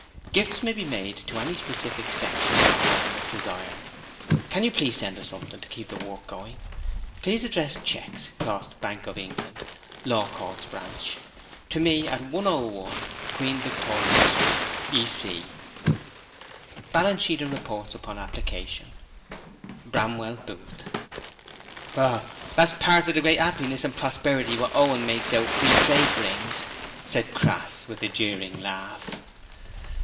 Gifts may be made to any specific section or home, if desired. Can you please send us something to keep the work going? Please address cheques, crossed Bank of England (Law Courts Branch), to me at 101, Queen Victoria Street, EC. Balance Sheets and Reports upon application. 'BRAMWELL BOOTH.' 'Oh, that's part of the great 'appiness an' prosperity wot Owen makes out Free Trade brings,' said Crass with a jeering laugh.